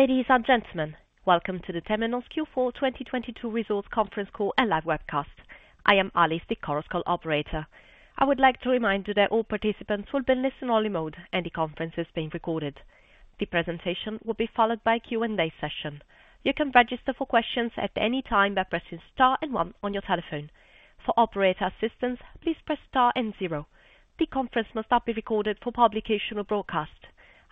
Ladies and gentlemen, welcome to the Temenos Q4 2022 results conference call and live webcast. I am Alice, the conference call operator. I would like to remind you that all participants will be in listen only mode, and the conference is being recorded. The presentation will be followed by a Q&A session. You can register for questions at any time by pressing star and one on your telephone. For operator assistance, please press star and zero. The conference must not be recorded for publication or broadcast.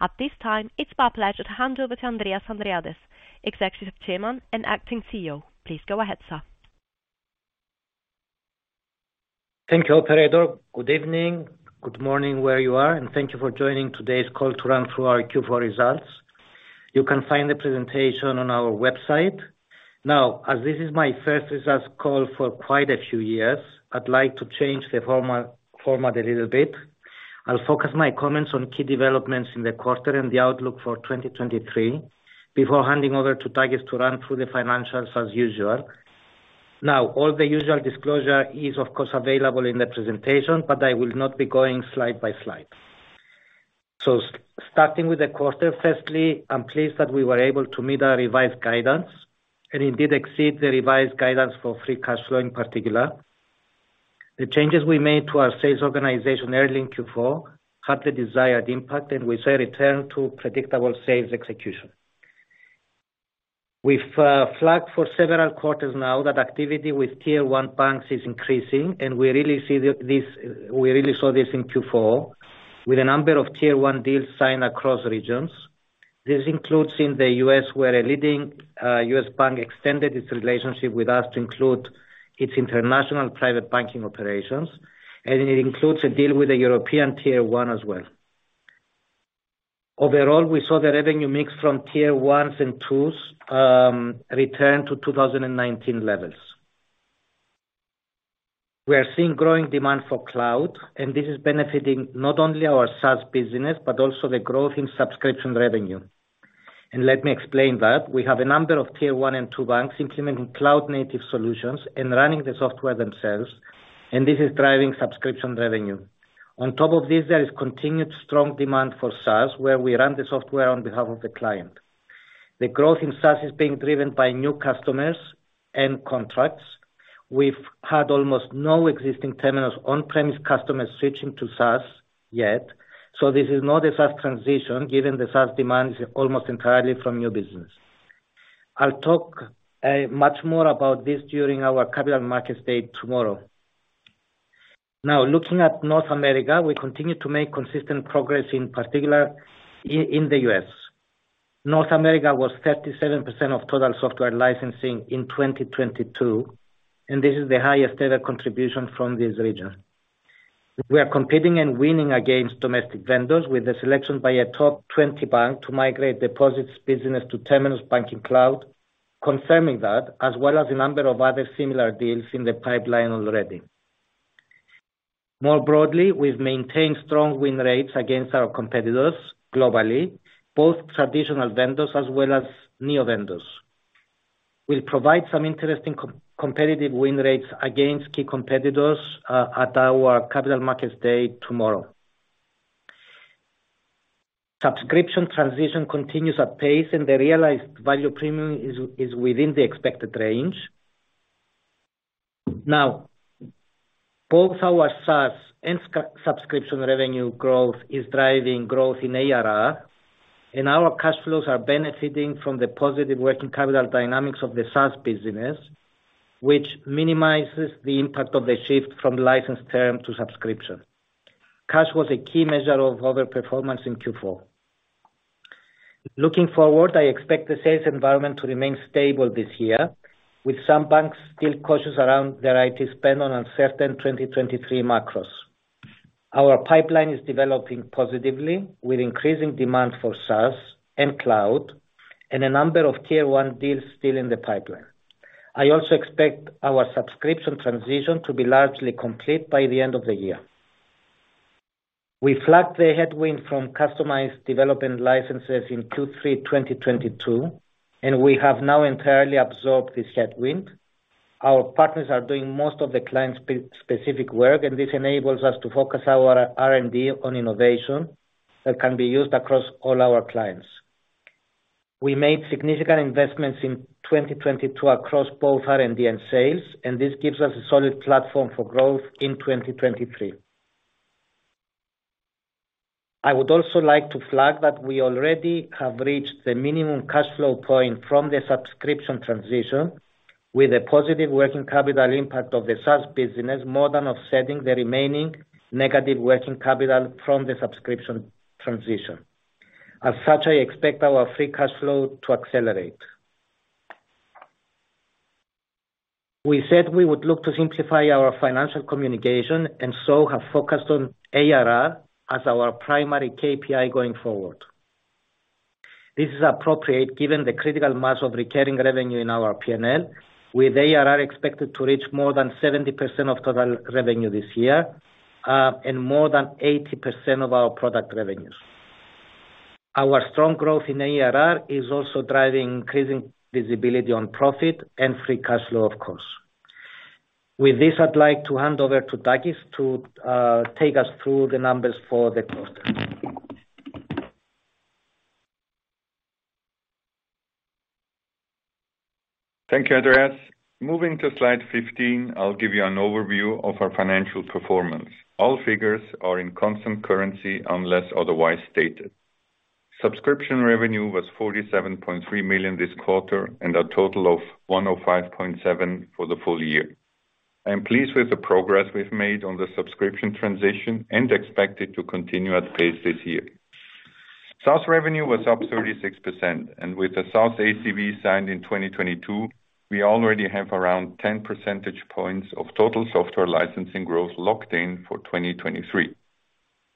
At this time, it's my pleasure to hand over to Andreas Andreades, Executive Chairman and Acting CEO. Please go ahead, sir. Thank you, Operator. Good evening. Good morning, where you are, and thank you for joining today's call to run through our Q4 results. You can find the presentation on our website. As this is my first results call for quite a few years, I'd like to change the format a little bit. I'll focus my comments on key developments in the quarter and the outlook for 2023 before handing over to Taki to run through the financials as usual. All the usual disclosure is of course available in the presentation, but I will not be going slide by slide. Starting with the quarter. Firstly, I'm pleased that we were able to meet our revised guidance and indeed exceed the revised guidance for free cash flow in particular. The changes we made to our sales organization early in Q4 had the desired impact. We saw a return to predictable sales execution. We've flagged for several quarters now that activity with tier one banks is increasing. We really saw this in Q4 with a number of tier one deals signed across regions. This includes in the US, where a leading US bank extended its relationship with us to include its international private banking operations. It includes a deal with a European tier one as well. Overall, we saw the revenue mix from tier ones and twos return to 2019 levels. We are seeing growing demand for cloud. This is benefiting not only our SaaS business, but also the growth in subscription revenue. Let me explain that. We have a number of tier one and two banks implementing cloud native solutions and running the software themselves, and this is driving subscription revenue. On top of this, there is continued strong demand for SaaS, where we run the software on behalf of the client. The growth in SaaS is being driven by new customers and contracts. We've had almost no existing Temenos on-premise customers switching to SaaS yet, so this is not a fast transition, given the SaaS demand is almost entirely from new business. I'll talk much more about this during our Capital Markets Day tomorrow. Now, looking at North America, we continue to make consistent progress, in particular in the US. North America was 37% of total software licensing in 2022, and this is the highest data contribution from this region. We are competing and winning against domestic vendors with the selection by a top 20 bank to migrate deposits business to Temenos Banking Cloud, confirming that, as well as a number of other similar deals in the pipeline already. More broadly, we've maintained strong win rates against our competitors globally, both traditional vendors as well as neo vendors. We'll provide some interesting competitive win rates against key competitors at our Capital Markets Day tomorrow. Subscription transition continues at pace, and the realized value premium is within the expected range. Both our SaaS and subscription revenue growth is driving growth in ARR, and our cash flows are benefiting from the positive working capital dynamics of the SaaS business, which minimizes the impact of the shift from license term to subscription. Cash was a key measure of overall performance in Q4. Looking forward, I expect the sales environment to remain stable this year, with some banks still cautious around their IT spend on uncertain 2023 macros. Our pipeline is developing positively with increasing demand for SaaS and cloud and a number of tier one deals still in the pipeline. I also expect our subscription transition to be largely complete by the end of the year. We flagged the headwind from customized development licenses in Q3 2022, and we have now entirely absorbed this headwind. Our partners are doing most of the client specific work, and this enables us to focus our R&D on innovation that can be used across all our clients. We made significant investments in 2022 across both R&D and sales, and this gives us a solid platform for growth in 2023. I would also like to flag that we already have reached the minimum cash flow point from the subscription transition with a positive working capital impact of the SaaS business, more than offsetting the remaining negative working capital from the subscription transition. As such, I expect our free cash flow to accelerate. We said we would look to simplify our financial communication and so have focused on ARR as our primary KPI going forward. This is appropriate given the critical mass of recurring revenue in our P&L, with ARR expected to reach more than 70% of total revenue this year, and more than 80% of our product revenues. Our strong growth in ARR is also driving increasing visibility on profit and free cash flow, of course. With this, I'd like to hand over to Takis to take us through the numbers for the quarter. Thank you, Andreas. Moving to Slide 15, I'll give you an overview of our financial performance. All figures are in constant currency unless otherwise stated. Subscription revenue was $47.3 million this quarter, and a total of $105.7 million for the full year. I am pleased with the progress we've made on the subscription transition and expect it to continue at pace this year. SaaS revenue was up 36%, and with the SaaS ACV signed in 2022, we already have around 10 percentage points of total software licensing growth locked in for 2023.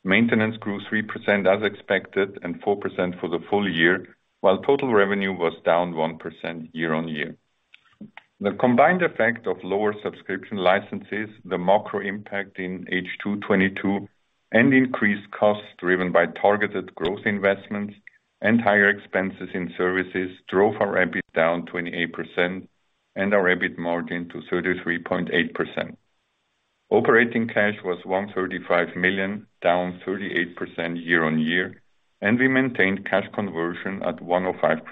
Maintenance grew 3% as expected, and 4% for the full year, while total revenue was down 1% year-over-year. The combined effect of lower subscription licenses, the macro impact in H2 2022, and increased costs driven by targeted growth investments and higher expenses in services drove our EBIT down 28% and our EBIT margin to 33.8%. Operating cash was $135 million, down 38% year-on-year, and we maintained cash conversion at 105%.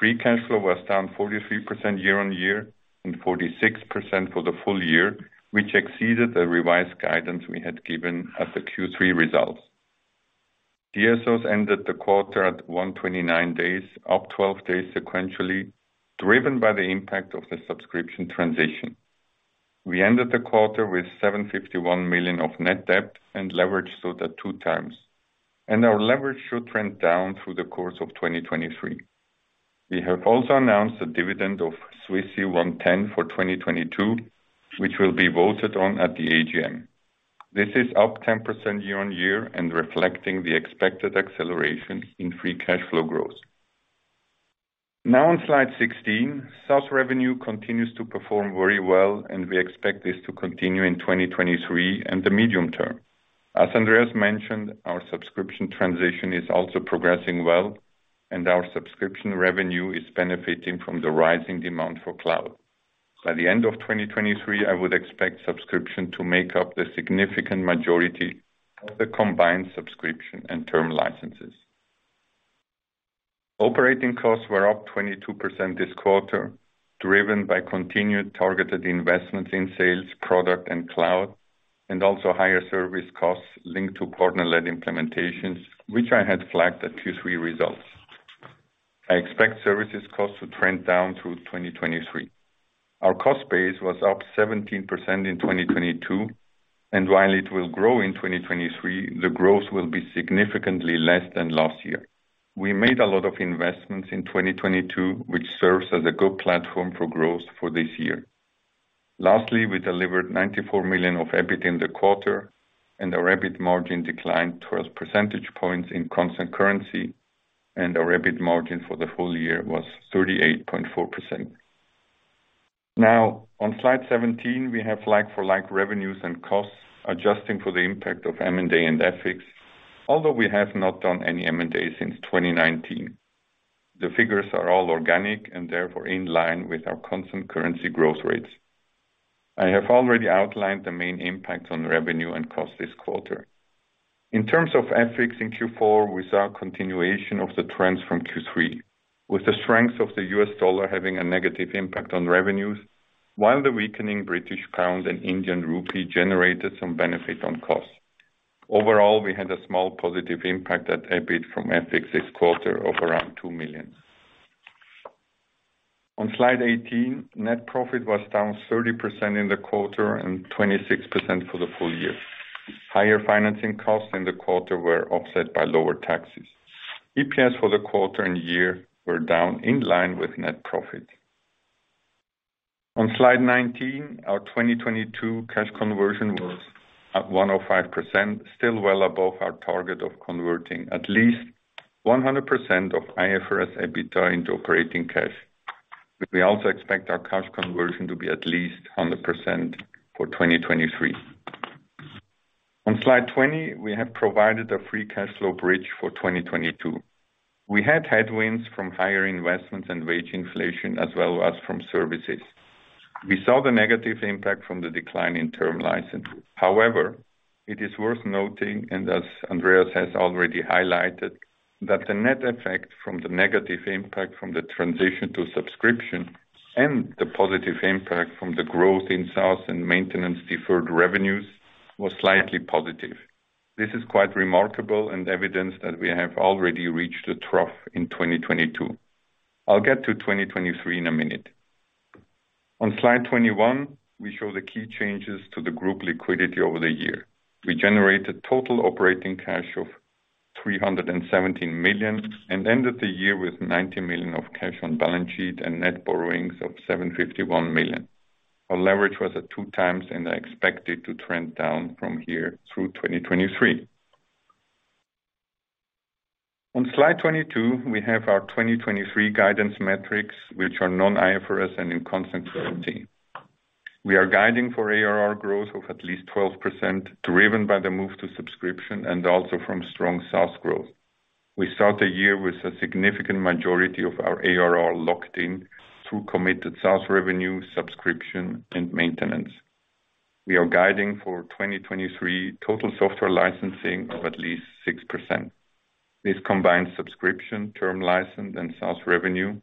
Free cash flow was down 43% year-on-year and 46% for the full year, which exceeded the revised guidance we had given at the Q3 results. DSOs ended the quarter at 129 days, up 12 days sequentially, driven by the impact of the subscription transition. We ended the quarter with $751 million of net debt and leverage stood at 2x. Our leverage should trend down through the course of 2023. We have also announced a dividend of 1.10 for 2022, which will be voted on at the AGM. This is up 10% year-on-year, reflecting the expected acceleration in free cash flow growth. On Slide 16, SaaS revenue continues to perform very well. We expect this to continue in 2023 and the medium term. As Andreas mentioned, our subscription transition is also progressing well. Our subscription revenue is benefiting from the rising demand for cloud. By the end of 2023, I would expect subscription to make up the significant majority of the combined subscription and term licenses. Operating costs were up 22% this quarter, driven by continued targeted investments in sales, product and cloud, and also higher service costs linked to partner-led implementations, which I had flagged at Q3 results. I expect services cost to trend down through 2023. Our cost base was up 17% in 2022. While it will grow in 2023, the growth will be significantly less than last year. We made a lot of investments in 2022, which serves as a good platform for growth for this year. Lastly, we delivered $94 million of EBIT in the quarter. Our EBIT margin declined 12 percentage points in constant currency. Our EBIT margin for the full year was 38.4%. On Slide 17, we have like-for-like revenues and costs, adjusting for the impact of M&A and FX. We have not done any M&A since 2019. The figures are all organic and therefore in line with our constant currency growth rates. I have already outlined the main impact on revenue and cost this quarter. In terms of FX in Q4, we saw continuation of the trends from Q3, with the strength of the US dollar having a negative impact on revenues, while the weakening British pound and Indian rupee generated some benefit on costs. Overall, we had a small positive impact at EBIT from FX this quarter of around $2 million. On Slide 18, net profit was down 30% in the quarter and 26% for the full year. Higher financing costs in the quarter were offset by lower taxes. EPS for the quarter and year were down in line with net profit. On Slide 19, our 2022 cash conversion was at 105%, still well above our target of converting at least 100% of IFRS EBITDA into operating cash. We also expect our cash conversion to be at least 100% for 2023. On Slide 20, we have provided a free cash flow bridge for 2022. We had headwinds from higher investments and wage inflation, as well as from services. We saw the negative impact from the decline in term licenses. However, it is worth noting, and as Andreas has already highlighted, that the net effect from the negative impact from the transition to subscription and the positive impact from the growth in SaaS and maintenance deferred revenues was slightly positive. This is quite remarkable and evidence that we have already reached a trough in 2022. I'll get to 2023 in a minute. On Slide 21, we show the key changes to the group liquidity over the year. We generated total operating cash of $317 million, and ended the year with $90 million of cash on balance sheet and net borrowings of $751 million. Our leverage was at 2x, I expect it to trend down from here through 2023. On Slide 22, we have our 2023 guidance metrics, which are non-IFRS in constant currency. We are guiding for ARR growth of at least 12%, driven by the move to subscription also from strong SaaS growth. We start the year with a significant majority of our ARR locked in through committed SaaS revenue, subscription, and maintenance. We are guiding for 2023 total software licensing of at least 6%. This combines subscription, term license, and SaaS revenue,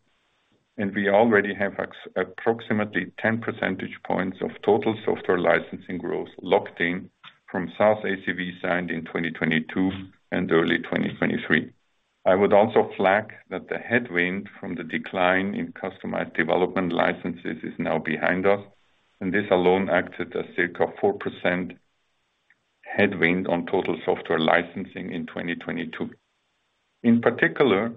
we already have approximately 10 percentage points of total software licensing growth locked in from SaaS ACV signed in 2022 and early 2023. I would also flag that the headwind from the decline in customized development licenses is now behind us. This alone acted as circa 4% headwind on total software licensing in 2022. In particular,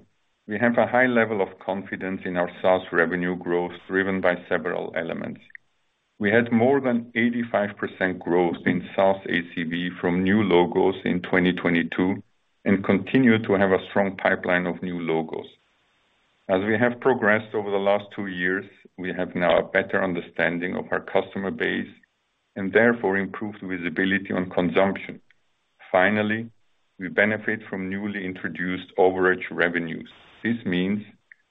we have a high level of confidence in our SaaS revenue growth, driven by several elements. We had more than 85% growth in SaaS ACV from new logos in 2022 and continue to have a strong pipeline of new logos. As we have progressed over the last two years, we have now a better understanding of our customer base and therefore improved visibility on consumption. Finally, we benefit from newly introduced overage revenues. This means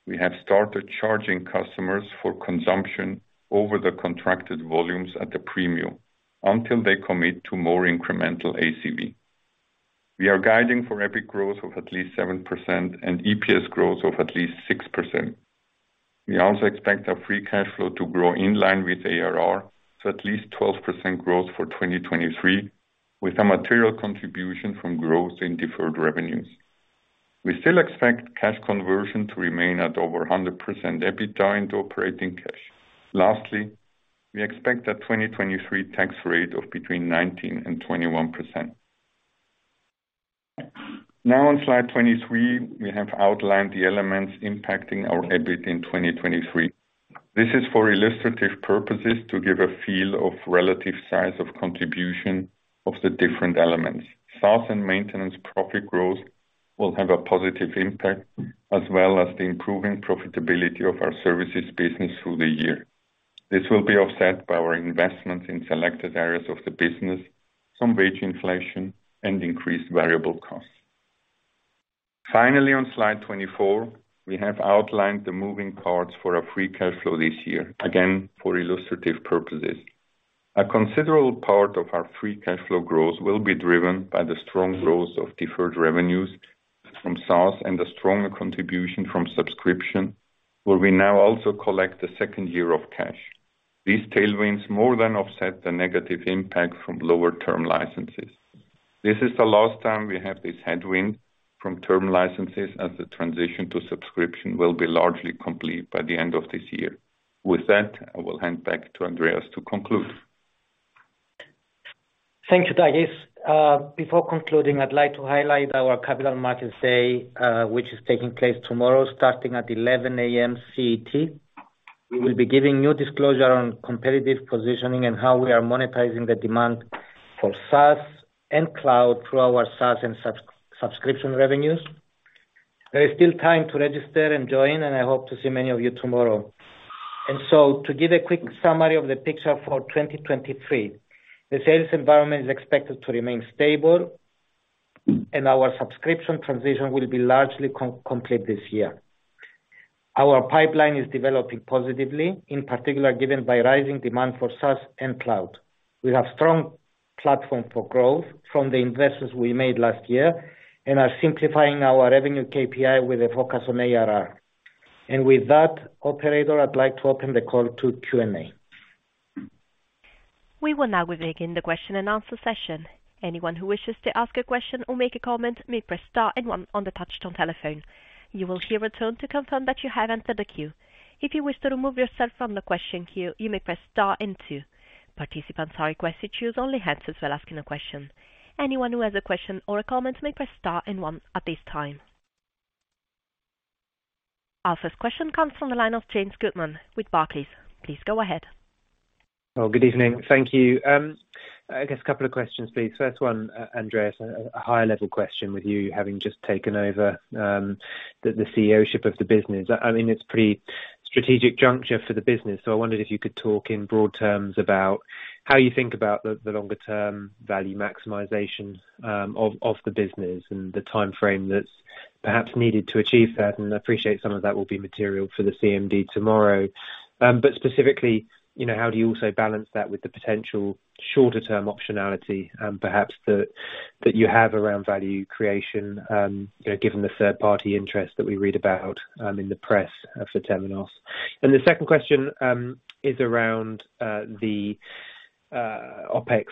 we have started charging customers for consumption over the contracted volumes at a premium until they commit to more incremental ACV. We are guiding for EBIT growth of at least 7% and EPS growth of at least 6%. We also expect our free cash flow to grow in line with ARR to at least 12% growth for 2023, with a material contribution from growth in deferred revenues. We still expect cash conversion to remain at over 100% EBITDA into operating cash. Lastly, we expect a 2023 tax rate of between 19%-21%. Now on Slide 23, we have outlined the elements impacting our EBIT in 2023. This is for illustrative purposes to give a feel of relative size of contribution of the different elements. SaaS and maintenance profit growth will have a positive impact, as well as the improving profitability of our services business through the year. This will be offset by our investments in selected areas of the business, some wage inflation, and increased variable costs. Finally, on Slide 24, we have outlined the moving parts for our free cash flow this year, again, for illustrative purposes. A considerable part of our free cash flow growth will be driven by the strong growth of deferred revenues from SaaS and the stronger contribution from subscription, where we now also collect the second year of cash. These tailwinds more than offset the negative impact from lower term licenses. This is the last time we have this headwind from term licenses as the transition to subscription will be largely complete by the end of this year. With that, I will hand back to Andreas to conclude. Thank you, Takis. Before concluding, I'd like to highlight our Capital Markets Day, which is taking place tomorrow starting at 11:00 A.M. CET. We will be giving new disclosure on competitive positioning and how we are monetizing the demand for SaaS and cloud through our SaaS and subscription revenues. There is still time to register and join. I hope to see many of you tomorrow. To give a quick summary of the picture for 2023, the sales environment is expected to remain stable, and our subscription transition will be largely complete this year. Our pipeline is developing positively, in particular given by rising demand for SaaS and cloud. We have strong platform for growth from the investments we made last year and are simplifying our revenue KPI with a focus on ARR. With that, Operator, I'd like to open the call to Q&A. We will now be beginning the question and answer session. Anyone who wishes to ask a question or make a comment may press star one on the touchtone telephone. You will hear a tone to confirm that you have entered the queue. If you wish to remove yourself from the question queue, you may press star two. Participants are requested to use only hands while asking a question. Anyone who has a question or a comment may press star one at this time. Our first question comes from the line of James Goodman with Barclays. Please go ahead. Well, Good evening. Thank you. I guess a couple of questions, please. First one, Andreas, a high level question with you having just taken over the CEO-ship of the business. I mean, it's pretty strategic juncture for the business, so I wondered if you could talk in broad terms about how you think about the longer term value maximization of the business and the timeframe that's perhaps needed to achieve that. I appreciate some of that will be material for the CMD tomorrow. Specifically, you know, how do you also balance that with the potential shorter term optionality perhaps that you have around value creation, you know, given the third-party interest that we read about in the press for Temenos. The second question is around the OpEx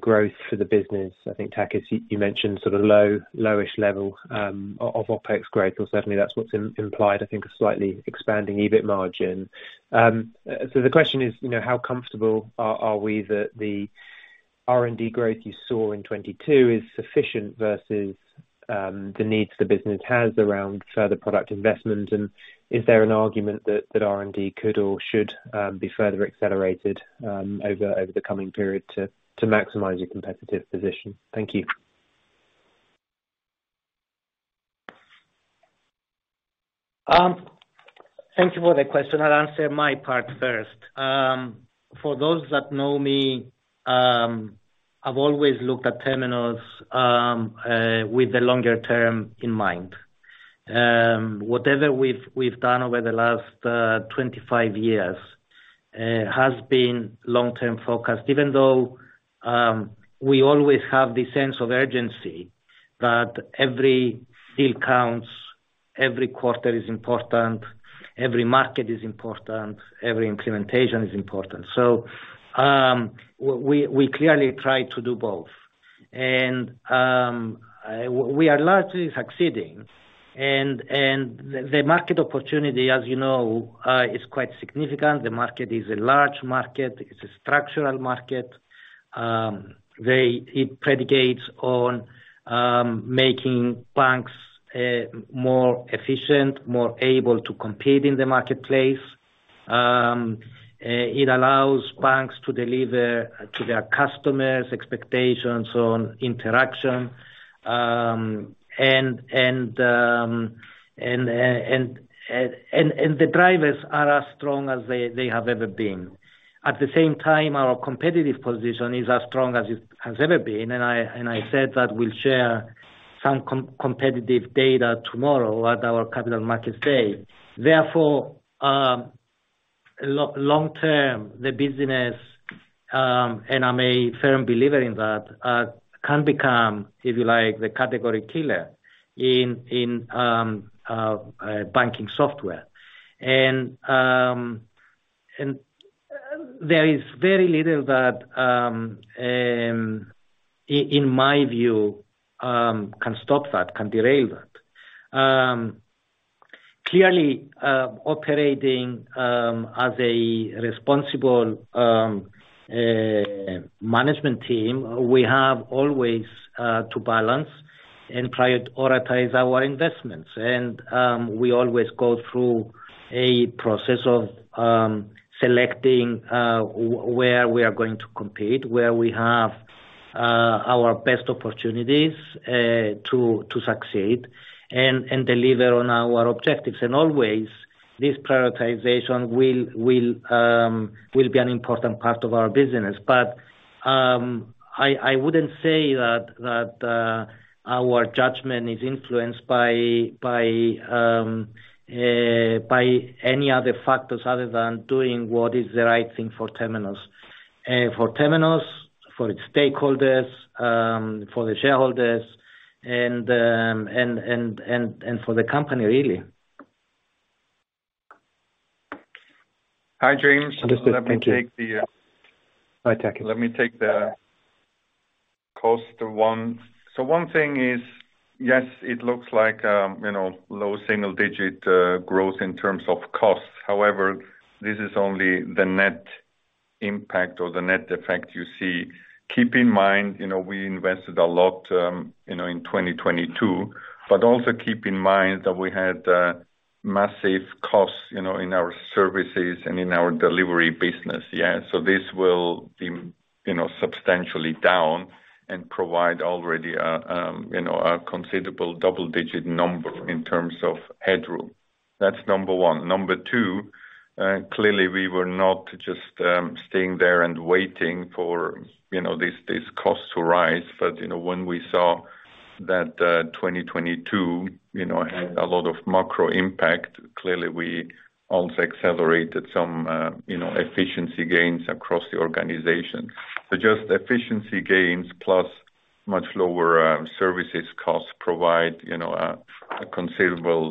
growth for the business. I think, Takis, you mentioned sort of low, low-ish level of OpEx growth or certainly that's what's implied, I think a slightly expanding EBIT margin. The question is, you know, how comfortable are we that the R&D growth you saw in 22 is sufficient versus the needs the business has around further product investment? Is there an argument that R&D could or should be further accelerated over the coming period to maximize your competitive position? Thank you. Thank you for the question. I'll answer my part first. For those that know me, I've always looked at Temenos with the longer term in mind. Whatever we've done over the last 25 years has been long-term focused. Even though we always have the sense of urgency that every deal counts, every quarter is important, every market is important, every implementation is important. We clearly try to do both. We are largely succeeding. The market opportunity, as you know, is quite significant. The market is a large market, it's a structural market. It predicates on making banks more efficient, more able to compete in the marketplace. It allows banks to deliver to their customers expectations on interaction. The drivers are as strong as they have ever been. At the same time, our competitive position is as strong as it has ever been, and I said that we'll share some competitive data tomorrow at our Capital Markets Day. Therefore, long term, the business, and I'm a firm believer in that, can become, if you like, the category killer in banking software. There is very little that, in my view, can stop that, can derail that. Clearly, operating as a responsible management team, we have always to balance and prioritize our investments. we always go through a process of selecting where we are going to compete, where we have our best opportunities to succeed and deliver on our objectives. Always this prioritization will be an important part of our business. I wouldn't say that our judgment is influenced by any other factors other than doing what is the right thing for Temenos. For Temenos, for its stakeholders, for the shareholders and for the company really. Hi, James. Understood. Thank you. Let me take the. Hi, Takis. Let me take the cost one. One thing is, yes, it looks like, you know, low single-digit growth in terms of costs. However, this is only the net impact or the net effect you see. Keep in mind, you know, we invested a lot, you know, in 2022, but also keep in mind that we had massive costs, you know, in our services and in our delivery business. Yeah. This will be, you know, substantially down and provide already a, you know, a considerable double-digit number in terms of headroom. That's number one. Number two, clearly we were not just staying there and waiting for, you know, these costs to rise. you know, when we saw that 2022, you know, had a lot of macro impact, clearly we also accelerated some, you know, efficiency gains across the organization. Just efficiency gains plus much lower services costs provide, you know, a considerable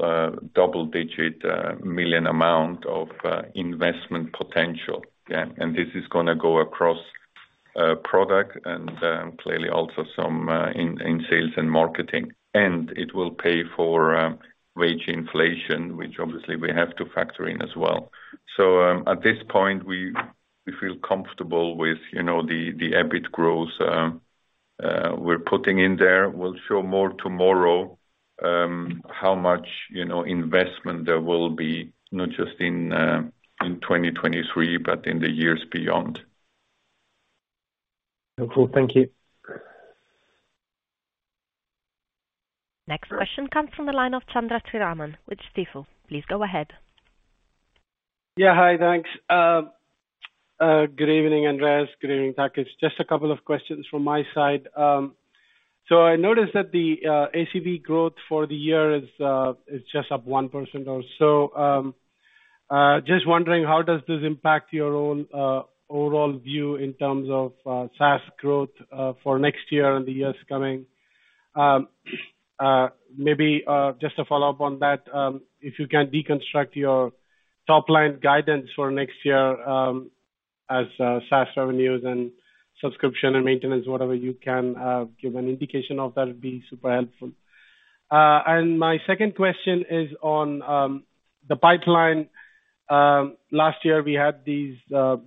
double-digit million amount of investment potential. Yeah. This is gonna go across product and clearly also some in sales and marketing. It will pay for wage inflation, which obviously we have to factor in as well. At this point, we feel comfortable with, you know, the EBIT growth we're putting in there. We'll show more tomorrow how much, you know, investment there will be, not just in 2023, but in the years beyond. Cool. Thank you. Next question comes from the line of Chandramouli Sriraman with Stifel. Please go ahead. Hi. Thanks. Good evening, Andreas. Good evening, Takis. Just a couple of questions from my side. I noticed that the ACV growth for the year is just up 1% or so. Just wondering how does this impact your own overall view in terms of SaaS growth for next year and the years coming? Maybe just to follow up on that, if you can deconstruct your top line guidance for next year, as SaaS revenues and subscription and maintenance, whatever you can give an indication of that would be super helpful. My second question is on the pipeline. Last year we had these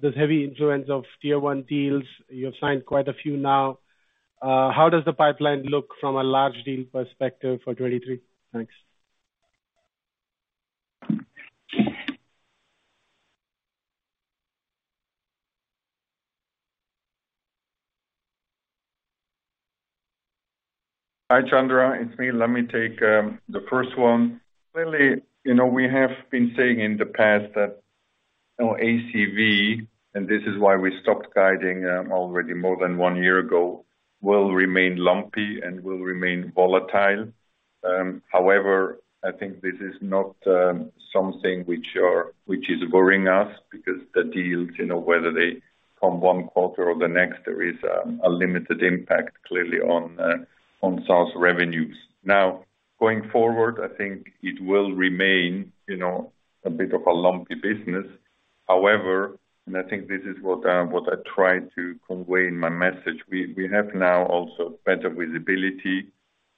this heavy influence of tier one deals. You have signed quite a few now. How does the pipeline look from a large deal perspective for 2023? Thanks. Hi, Chandra. It's me. Let me take the first one. Clearly, you know, we have been saying in the past that, you know, ACV, and this is why we stopped guiding already more than one year ago, will remain lumpy and will remain volatile. However, I think this is not something which is worrying us because the deals, you know, whether they come one quarter or the next, there is a limited impact clearly on SaaS revenues. Going forward, I think it will remain, you know, a bit of a lumpy business. However, and I think this is what I tried to convey in my message, we have now also better visibility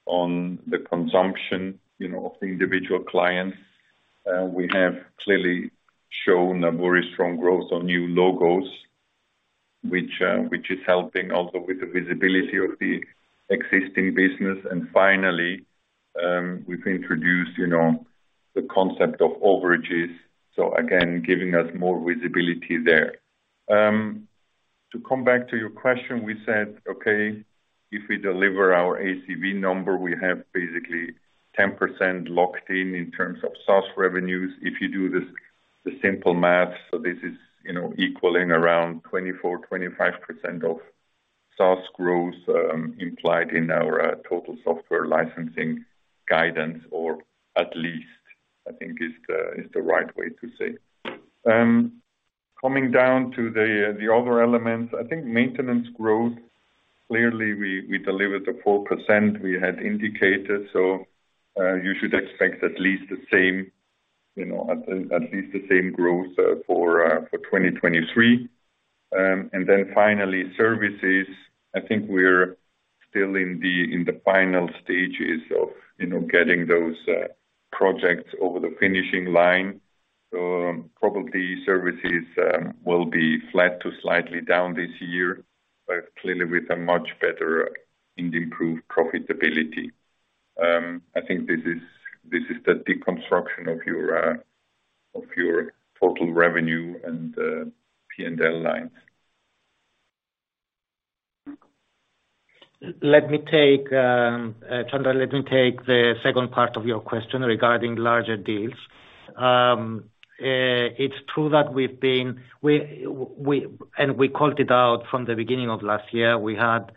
on the consumption, you know, of individual clients. We have clearly shown a very strong growth on new logos, which is helping also with the visibility of the existing business. Finally, we've introduced, you know, the concept of overages, again, giving us more visibility there. To come back to your question, we said, okay, if we deliver our ACV number, we have basically 10% locked in in terms of SaaS revenues. If you do the simple math, this is, you know, equaling around 24%-25% of SaaS growth, implied in our total software licensing guidance, or at least, I think is the right way to say. Coming down to the other elements, I think maintenance growth, clearly we delivered the 4% we had indicated, so you should expect at least the same, you know, at least the same growth for 2023. Finally, services, I think we're still in the final stages of, you know, getting those projects over the finishing line. Probably services will be flat to slightly down this year, but clearly with a much better and improved profitability. I think this is the deconstruction of your total revenue and P&L lines. Let me take Chandra, let me take the second part of your question regarding larger deals. It's true that we've been. We called it out from the beginning of last year. We had,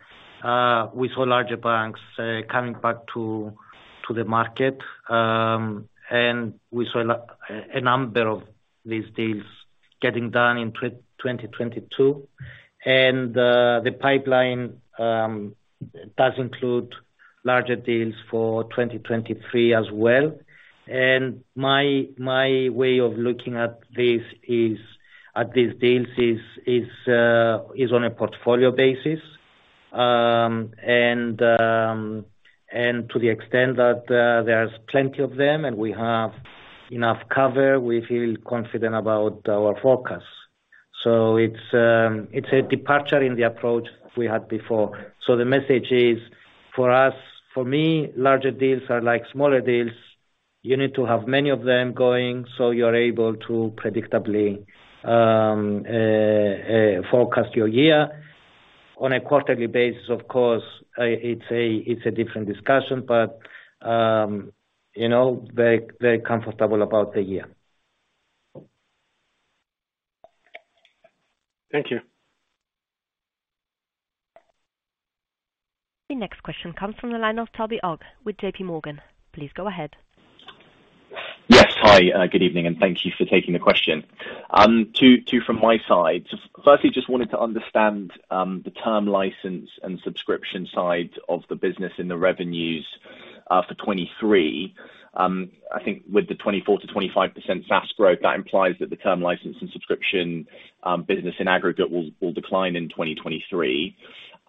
we saw larger banks coming back to the market. We saw a number of these deals getting done in 2022. The pipeline does include larger deals for 2023 as well. My way of looking at this is, at these deals is on a portfolio basis. To the extent that there's plenty of them, and we have enough cover, we feel confident about our forecast. It's a departure in the approach we had before. The message is for us, for me, larger deals are like smaller deals. You need to have many of them going, so you're able to predictably forecast your year. On a quarterly basis, of course, it's a different discussion. You know, very, very comfortable about the year. Thank you. The next question comes from the line of Toby Ogg with J.P. Morgan. Please go ahead. Yes. Hi, Good evening, and thank you for taking the question. Two from my side. Firstly, just wanted to understand the term license and subscription side of the business in the revenues for 2023. I think with the 24%-25% SaaS growth, that implies that the term license and subscription business in aggregate will decline in 2023,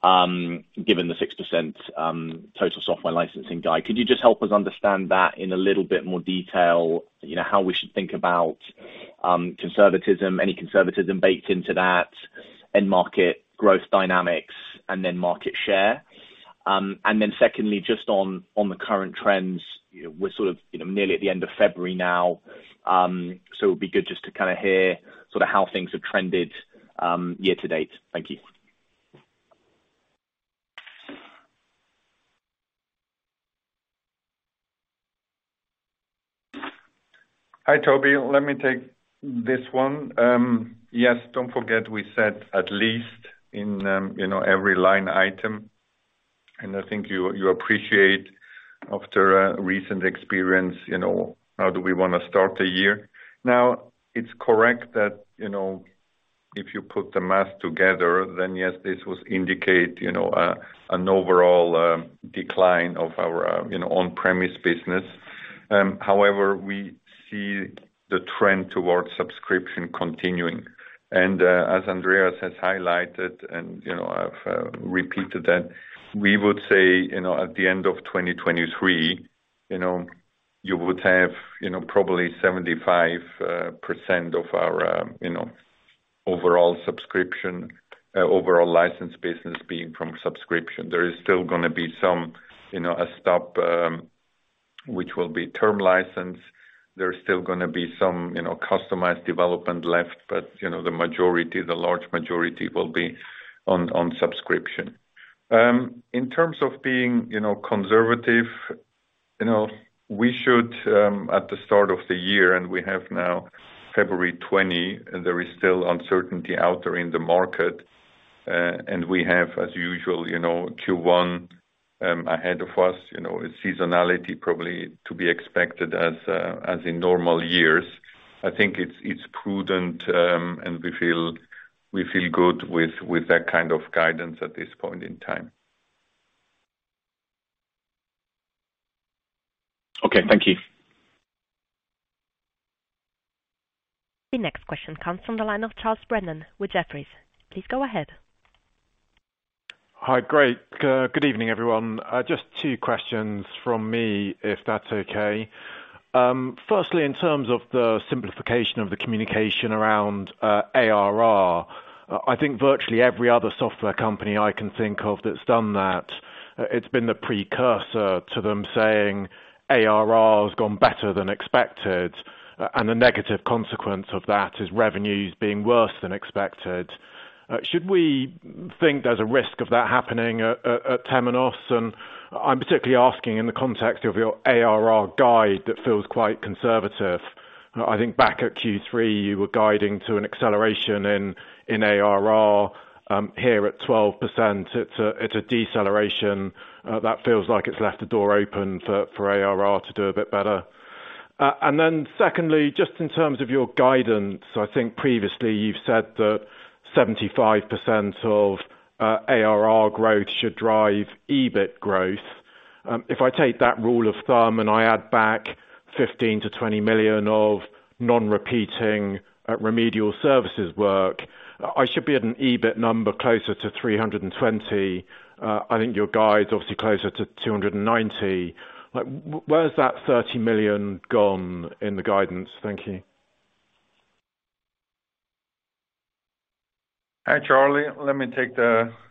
given the 6% total software licensing guide. Could you just help us understand that in a little bit more detail? You know, how we should think about conservatism, any conservatism baked into that, end market growth dynamics, and then market share. Secondly, just on the current trends, we're sort of, you know, nearly at the end of February now, so it'd be good just to kinda hear sorta how things have trended, year to date. Thank you. Hi, Toby. Let me take this one. Yes, don't forget we said at least in, you know, every line item. I think you appreciate after, recent experience, you know, how do we wanna start the year? It's correct that, you know, if you put the math together, then yes, this would indicate, you know, an overall, decline of our, you know, on-premise business. We see the trend towards subscription continuing. As Andreas has highlighted and, you know, I've, repeated that, we would say, you know, at the end of 2023, you know, you would have, you know, probably 75% of our, you know, overall subscription, overall license business being from subscription. There is still gonna be some, you know, a stop. Which will be term license. There's still gonna be some, you know, customized development left, you know, the majority, the large majority will be on subscription. In terms of being, you know, conservative, you know, we should at the start of the year, we have now February 20, there is still uncertainty out there in the market. We have as usual, you know, Q1 ahead of us, you know. A seasonality probably to be expected as in normal years. I think it's prudent, we feel good with that kind of guidance at this point in time. Okay, thank you. The next question comes from the line of Charles Brennan with Jefferies. Please go ahead. Hi. Great. Good evening, everyone. just two questions from me, if that's okay. Firstly, in terms of the simplification of the communication around ARR, I think virtually every other software company I can think of that's done that, it's been the precursor to them saying ARR has gone better than expected, and the negative consequence of that is revenues being worse than expected. Should we think there's a risk of that happening at Temenos? I'm particularly asking in the context of your ARR guide that feels quite conservative. I think back at Q3, you were guiding to an acceleration in ARR, here at 12%, it's a deceleration, that feels like it's left the door open for ARR to do a bit better. Then secondly, just in terms of your guidance, I think previously you've said that 75% of ARR growth should drive EBIT growth. If I take that rule of thumb and I add back $15 million-$20 million of non-repeating remedial services work, I should be at an EBIT number closer to $320 million. I think your guide's obviously closer to $290 million. Where has that $30 million gone in the guidance? Thank you. Hi, Charlie. Let me take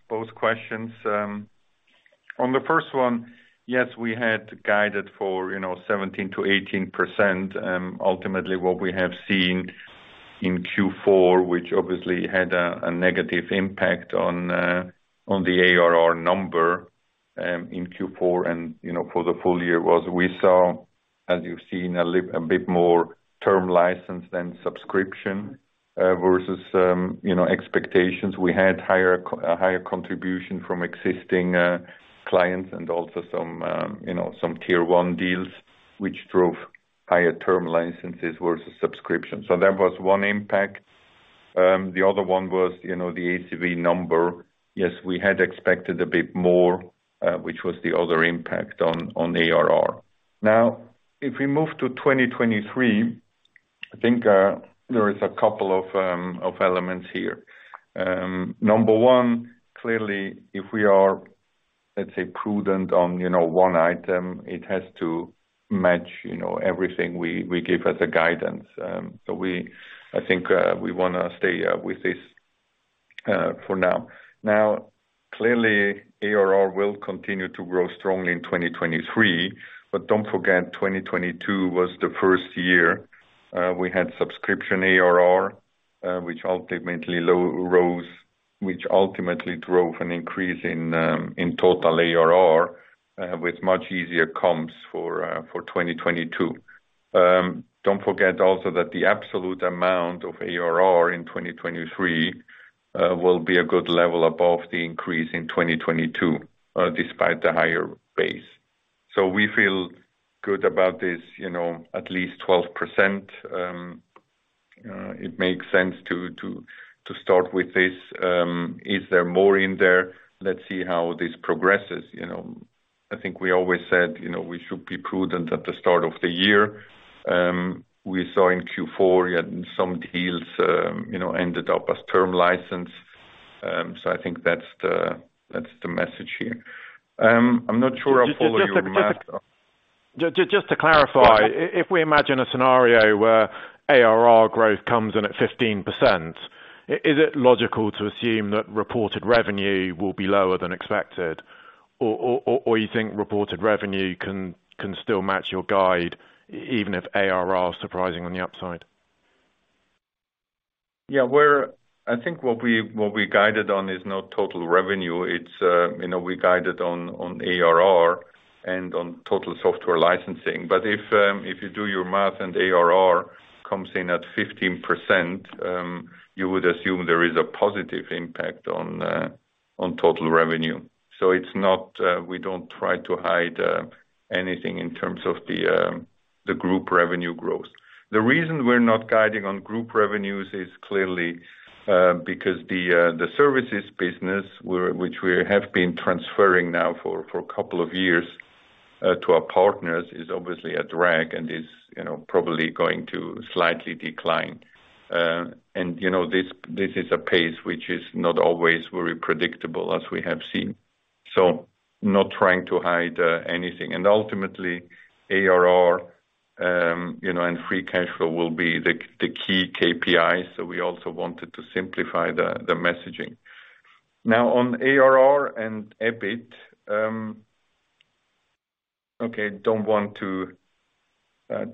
both questions. On the first one, yes, we had guided for, you know, 17%-18%. Ultimately what we have seen in Q4, which obviously had a negative impact on the ARR number in Q4 and, you know, for the full year was we saw, as you've seen, a bit more term license than subscription versus, you know, expectations. We had a higher contribution from existing clients and also some, you know, some tier one deals which drove higher term licenses versus subscription. That was one impact. The other one was, you know, the ACV number. Yes, we had expected a bit more, which was the other impact on ARR. If we move to 2023, I think there is a couple of elements here. Number one, clearly, if we are, let's say, prudent on, you know, one item, it has to match, you know, everything we give as a guidance. I think we wanna stay with this for now. Clearly, ARR will continue to grow strongly in 2023. Don't forget 2022 was the first year we had subscription ARR, which ultimately drove an increase in total ARR with much easier comps for 2022. Don't forget also that the absolute amount of ARR in 2023 will be a good level above the increase in 2022, despite the higher base. We feel good about this, you know, at least 12%. It makes sense to start with this. Is there more in there? Let's see how this progresses, you know. I think we always said, you know, we should be prudent at the start of the year. We saw in Q4, we had some deals, you know, ended up as term license. I think that's the message here. I'm not sure I follow your math though. Just to clarify, if we imagine a scenario where ARR growth comes in at 15%, is it logical to assume that reported revenue will be lower than expected? You think reported revenue can still match your guide even if ARR is surprising on the upside? I think what we, what we guided on is not total revenue. It's, you know, we guided on ARR and on total software licensing. If you do your math and ARR comes in at 15%, you would assume there is a positive impact on total revenue. It's not, we don't try to hide anything in terms of the group revenue growth. The reason we're not guiding on group revenues is clearly because the services business which we have been transferring now for a couple of years to our partners, is obviously a drag and is, you know, probably going to slightly decline. And you know, this is a pace which is not always very predictable as we have seen. Not trying to hide anything. Ultimately, ARR, you know, and free cash flow will be the key KPI. We also wanted to simplify the messaging. On ARR and EBIT. Okay, don't want to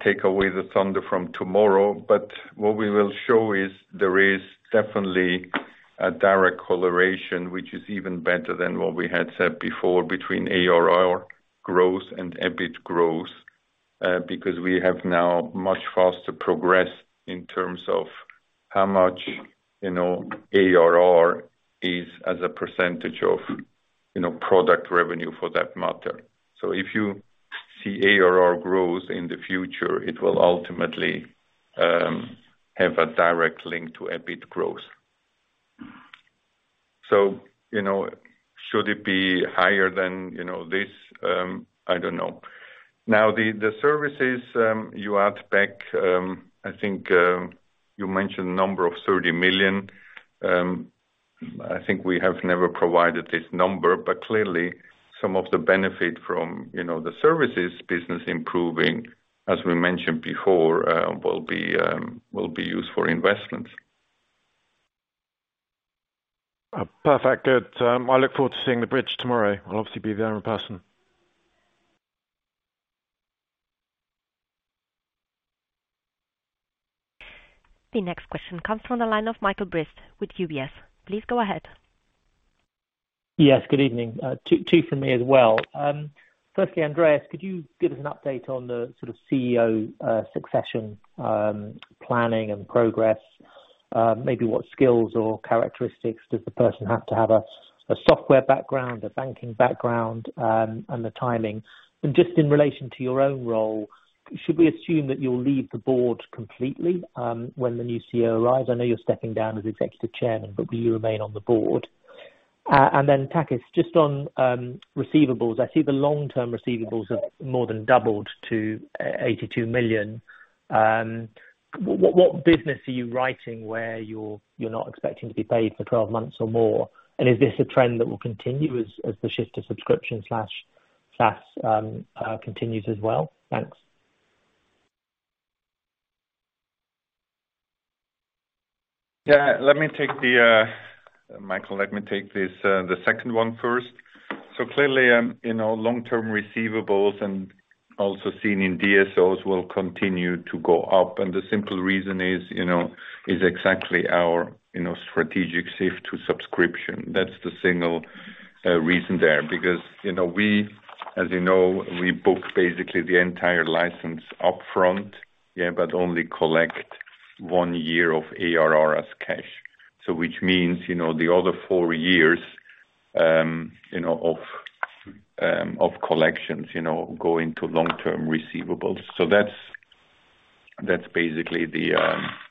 take away the thunder from tomorrow, but what we will show is there is definitely a direct correlation, which is even better than what we had said before between ARR growth and EBIT growth. Because we have now much faster progress in terms of how much, you know, ARR is as a % of, you know, product revenue for that matter. If you see ARR growth in the future, it will ultimately, have a direct link to EBIT growth. You know, should it be higher than, you know, this? I don't know. The services you add back, I think you mentioned a number of $30 million. I think we have never provided this number, but clearly some of the benefit from, you know, the services business improving, as we mentioned before, will be used for investments. Perfect. Good. I look forward to seeing the bridge tomorrow. I'll obviously be there in person. The next question comes from the line of Michael Briest with UBS. Please go ahead. Yes, Good evening. two for me as well. Firstly, Andreas, could you give us an update on the sort of CEO, succession, planning and progress? Maybe what skills or characteristics does the person have to have a software background, a banking background, and the timing? Just in relation to your own role, should we assume that you'll leave the board completely, when the new CEO arrives? I know you're stepping down as executive chairman, but do you remain on the board? Then Takis, just on receivables, I see the long-term receivables have more than doubled to $82 million. What business are you writing where you're not expecting to be paid for 12 months or more? Is this a trend that will continue as the shift to subscription slash SaaS, continues as well? Thanks. Yeah. Let me take the Michael, let me take this the second one first. Clearly, you know, long-term receivables and also seen in DSOs will continue to go up. The simple reason is, you know, is exactly our, you know, strategic shift to subscription. That's the single reason there. Because, you know, we, as you know, we book basically the entire license upfront, yeah, but only collect one year of ARR as cash. Which means, you know, the other four years of collections, you know, go into long-term receivables. That's basically the,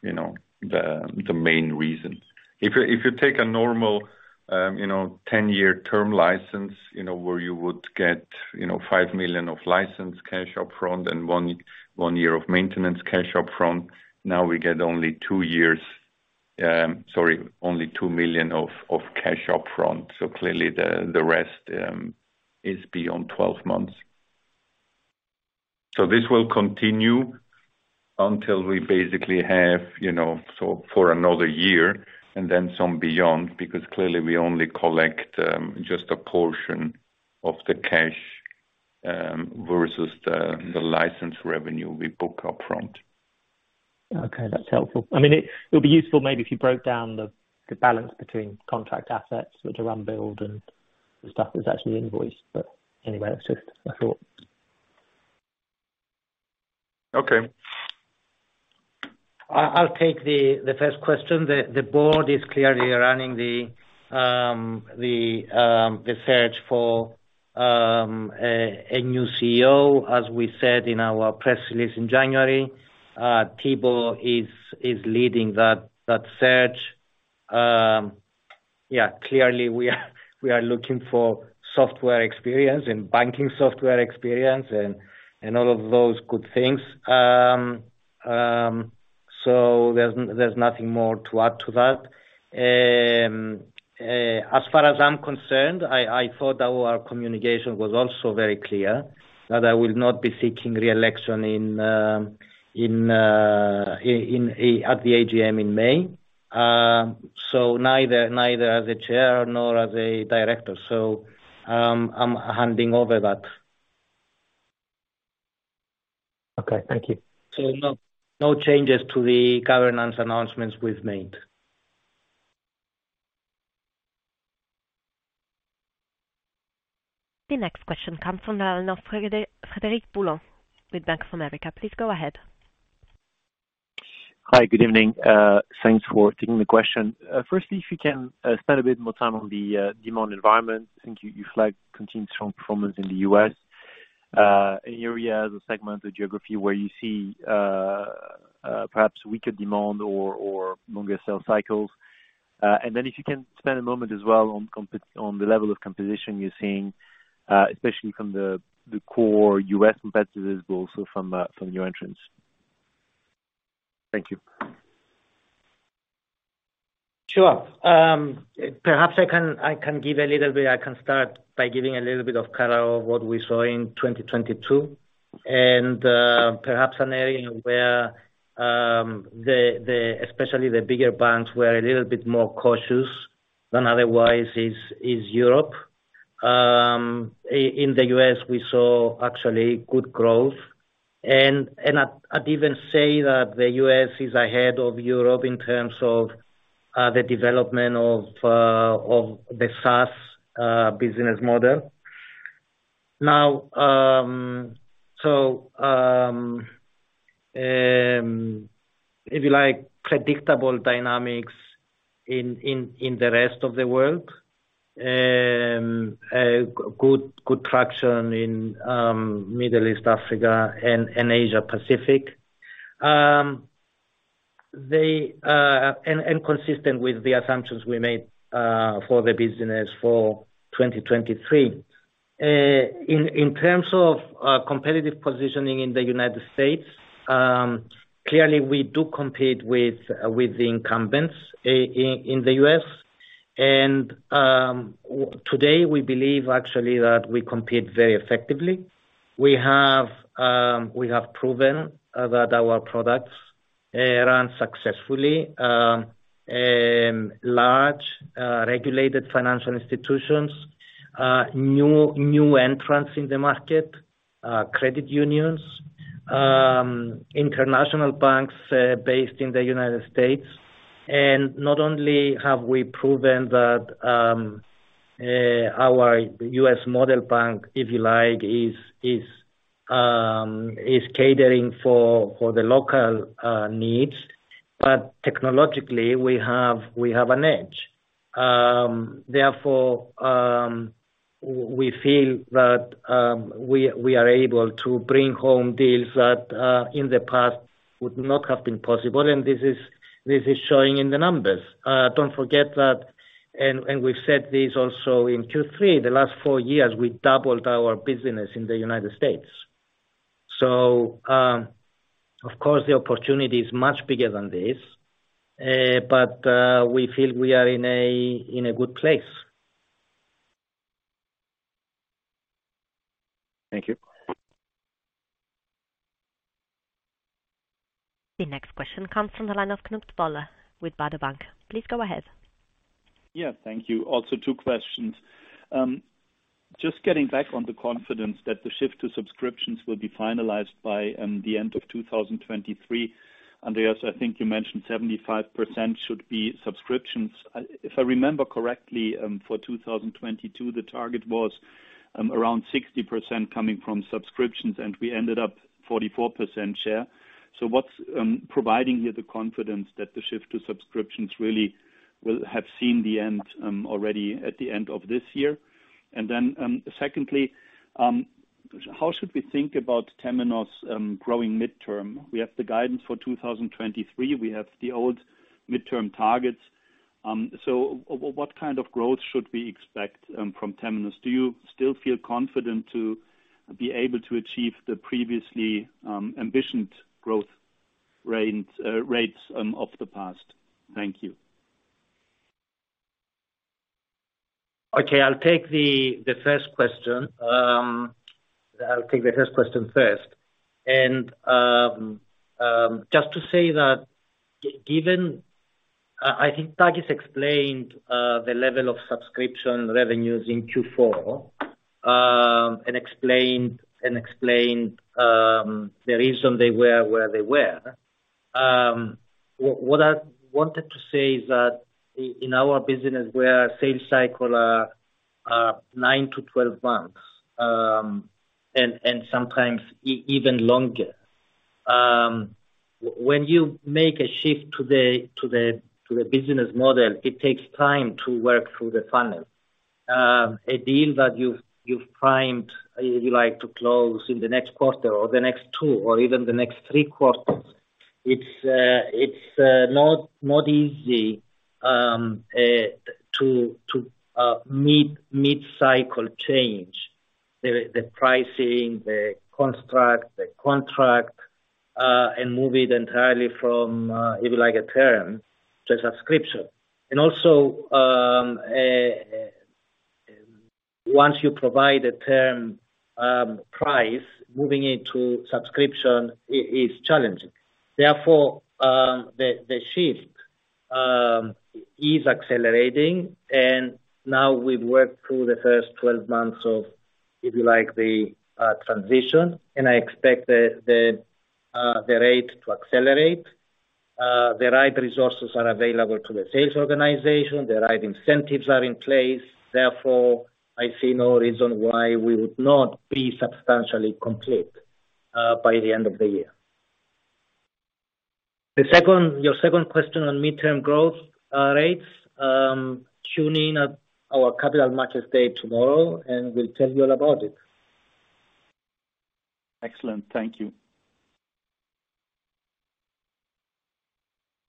you know, the main reason. If you take a normal, you know, 10-year term license, you know, where you would get, you know, $5 million of license cash upfront and one year of maintenance cash upfront, now we get only $2 million of cash upfront. Clearly the rest is beyond 12 months. This will continue until we basically have, you know, so for another year and then some beyond, because clearly we only collect just a portion of the cash versus the license revenue we book upfront. Okay, that's helpful. I mean, it'll be useful maybe if you broke down the balance between contract assets, sort of run build and the stuff that's actually invoiced. Anyway, that's just a thought. Okay. I'll take the first question. The board is clearly running the search for a new CEO, as we said in our press release in January. Thibault is leading that search. Yeah, clearly we are looking for software experience and banking software experience and all of those good things. There's nothing more to add to that. As far as I'm concerned, I thought our communication was also very clear that I will not be seeking re-election at the AGM in May. Neither as a chair nor as a director. I'm handing over that. Okay, thank you. No, no changes to the governance announcements we've made. The next question comes from the line of Frederic Boulan with Bank of America. Please go ahead. Hi, Good evening. Thanks for taking the question. Firstly, if you can spend a bit more time on the demand environment. I think you flagged continued strong performance in the U.S. Any areas or segment or geography where you see perhaps weaker demand or longer sales cycles? If you can spend a moment as well on the level of competition you're seeing, especially from the core U.S. competitors, but also from new entrants. Thank you. Sure. Perhaps I can give a little bit. I can start by giving a little bit of color of what we saw in 2022, and perhaps an area where the especially the bigger banks were a little bit more cautious than otherwise is Europe. In the US, we saw actually good growth. I'd even say that the US is ahead of Europe in terms of the development of the SaaS business model. Now, if you like, predictable dynamics in the rest of the world. Good traction in Middle East, Africa and Asia Pacific. Consistent with the assumptions we made for the business for 2023. In terms of competitive positioning in the United States, clearly we do compete with the incumbents in the US. Today we believe actually that we compete very effectively. We have proven that our products run successfully. Large regulated financial institutions, new entrants in the market, credit unions, international banks, based in the United States. Not only have we proven that our US Model Bank, if you like, is catering for the local needs, but technologically, we have an edge. Therefore, we feel that we are able to bring home deals that in the past would not have been possible, and this is showing in the numbers. Don't forget that, and we've said this also in Q3, the last four years we doubled our business in the United States. Of course, the opportunity is much bigger than this, but we feel we are in a good place. Thank you. The next question comes from the line of Knut Woller with Baader Bank. Please go ahead. Yeah. Thank you. Two questions. Just getting back on the confidence that the shift to subscriptions will be finalized by the end of 2023. Andreas, I think you mentioned 75% should be subscriptions. If I remember correctly, for 2022, the target was around 60% coming from subscriptions, and we ended up 44% share. What's providing you the confidence that the shift to subscriptions really will have seen the end already at the end of this year? Secondly, how should we think about Temenos' growing midterm? We have the guidance for 2023. We have the old midterm targets. What kind of growth should we expect from Temenos? Do you still feel confident to be able to achieve the previously ambitioned growth range rates of the past? Thank you. Okay. I'll take the first question. I'll take the first question first. Just to say that given I think Takis explained the level of subscription revenues in Q4, and explained the reason they were where they were. What I wanted to say is that in our business where sales cycle are nine to 12 months, and sometimes even longer. When you make a shift to the, to the, to the business model, it takes time to work through the funnel. A deal that you've primed, if you like, to close in the next quarter or the next two, or even the next three quarters, it's not easy to mid-cycle change the pricing, the construct, the contract, and move it entirely from, if you like, a term to a subscription. Once you provide a term price, moving it to subscription is challenging. Therefore, the shift is accelerating, and now we've worked through the first 12 months of, if you like, the transition, and I expect the rate to accelerate. The right resources are available to the sales organization. The right incentives are in place. Therefore, I see no reason why we would not be substantially complete by the end of the year. Your second question on midterm growth rates, tune in at our Capital Markets Day tomorrow. We'll tell you all about it. Excellent. Thank you.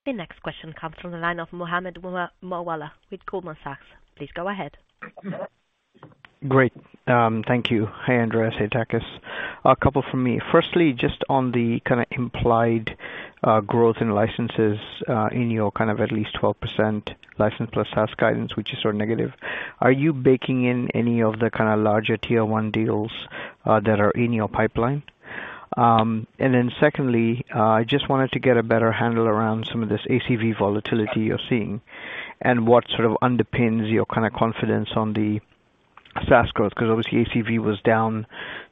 The next question comes from the line of Mohammed Moawalla with Goldman Sachs. Please go ahead. Great. Thank you. Hi, Andreas. Hey, Takis. A couple from me. Firstly, just on the kind of implied growth in licenses in your kind of at least 12% license plus SaaS guidance, which is sort of negative. Are you baking in any of the kind of larger tier one deals that are in your pipeline? Secondly, I just wanted to get a better handle around some of this ACV volatility you're seeing and what sort of underpins your kind of confidence on the SaaS growth. 'Cause obviously ACV was down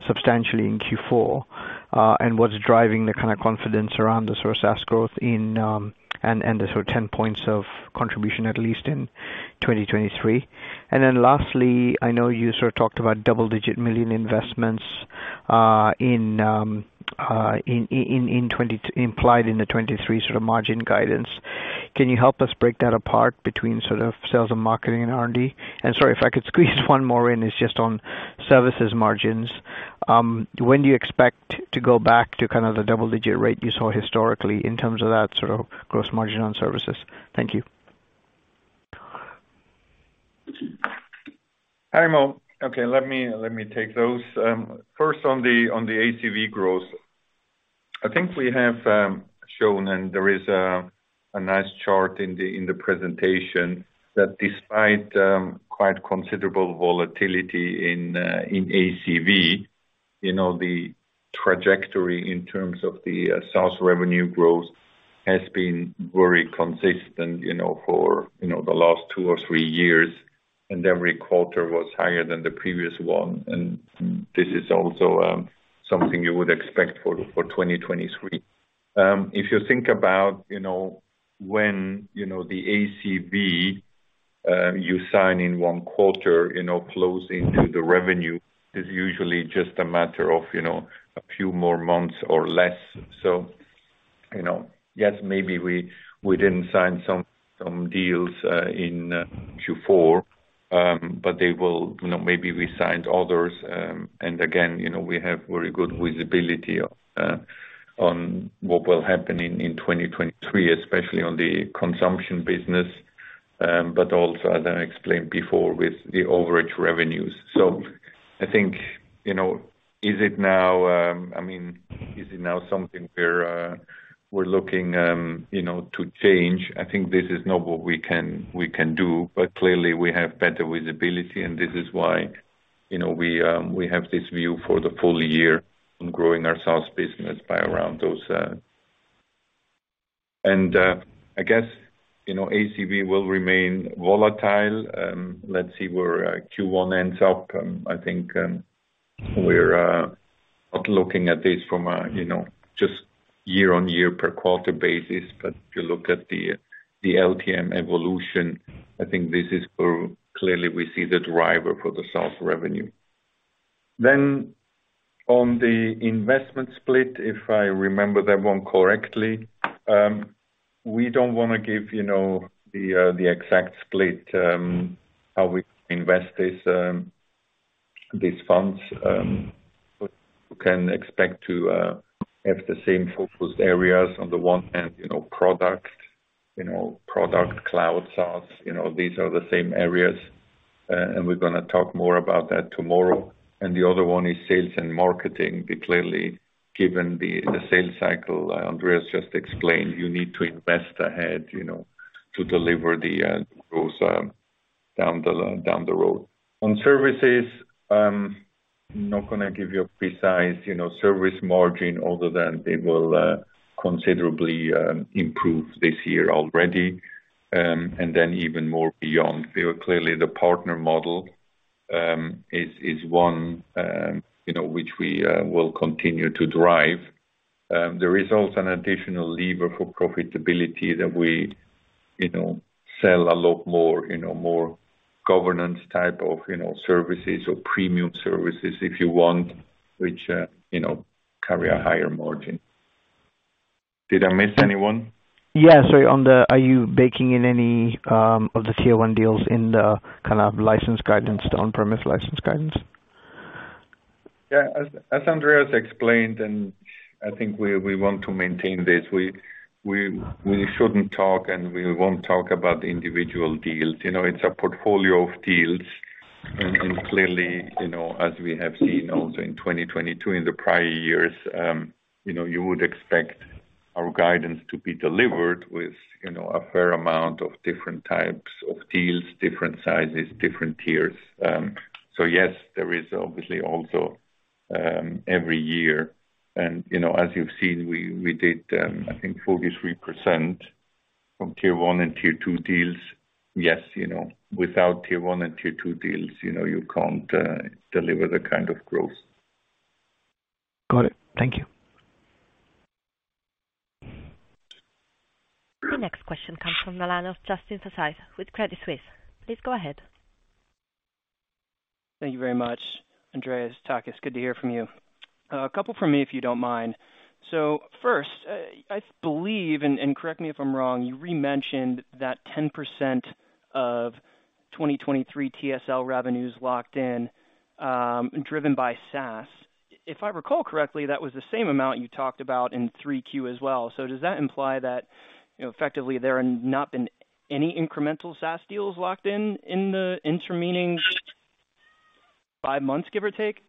substantially in Q4, and what's driving the kind of confidence around the sort of SaaS growth in, and the sort of 10 points of contribution, at least in 2023. Then lastly, I know you sort of talked about double-digit million investments, in 2023, implied in the 2023 sort of margin guidance. Can you help us break that apart between sort of sales and marketing and R&D? Sorry if I could squeeze one more in, it's just on services margins. When do you expect to go back to kind of the double-digit rate you saw historically in terms of that sort of gross margin on services? Thank you. Hi, Mo. Okay, let me take those. First on the ACV growth. I think we have shown, and there is a nice chart in the presentation that despite quite considerable volatility in ACV, you know, the trajectory in terms of the SaaS revenue growth has been very consistent, you know, for, you know, the last two or three years, and every quarter was higher than the previous one. This is also something you would expect for 2023. If you think about, you know, when, you know, the ACV you sign in one quarter, you know, closing to the revenue is usually just a matter of, you know, a few more months or less. You know, yes, maybe we didn't sign some deals in Q4, but they will, you know, maybe we signed others. Again, you know, we have very good visibility on what will happen in 2023, especially on the consumption business, but also, as I explained before with the overage revenues. I think, you know, is it now, I mean, is it now something we're looking, you know, to change? I think this is not what we can, we can do, but clearly we have better visibility and this is why, you know, we have this view for the full year on growing our SaaS business by around those, I guess, you know, ACV will remain volatile. Let's see where Q1 ends up. I think we're not looking at this from a, you know, just year-over-year per quarter basis, but if you look at the LTM evolution, I think this is where clearly we see the driver for the SaaS revenue. On the investment split, if I remember that one correctly, we don't wanna give, you know, the exact split how we invest these funds. You can expect to have the same focus areas on the one hand, you know, product, you know, product cloud SaaS, you know, these are the same areas, and we're gonna talk more about that tomorrow. The other one is sales and marketing. Clearly, given the sales cycle, Andreas just explained, you need to invest ahead, you know, to deliver those down the road. On services, not gonna give you a precise, you know, service margin other than they will considerably improve this year already, and then even more beyond. Clearly, the partner model is one, you know, which we will continue to drive. There is also an additional lever for profitability that we, you know, sell a lot more, you know, more governance type of, you know, services or premium services if you want, which, you know, carry a higher margin. Did I miss anyone? Yeah. Sorry, Are you baking in any of the tier one deals in the kind of license guidance, the on-premise license guidance? As Andreas explained, I think we want to maintain this, we shouldn't talk and we won't talk about individual deals. You know, it's a portfolio of deals and clearly, you know, as we have seen also in 2022, in the prior years, you know, you would expect our guidance to be delivered with, you know, a fair amount of different types of deals, different sizes, different tiers. Yes, there is obviously also every year and, you know, as you've seen, we did, I think 43% from tier one and tier two deals. Yes, you know, without tier one and tier two deals, you know, you can't deliver the kind of growth. Got it. Thank you. The next question comes from the line of Justin Forsythe with Credit Suisse. Please go ahead. Thank you very much. Andreas, Takis, good to hear from you. A couple from me, if you don't mind. First, I believe, correct me if I'm wrong, you re-mentioned that 10% of 2023 TSL revenues locked in, driven by SaaS. If I recall correctly, that was the same amount you talked about in 3Q as well. Does that imply that, you know, effectively there have not been any incremental SaaS deals locked in in the intermeeting 5 months, give or take?